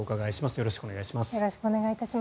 よろしくお願いします。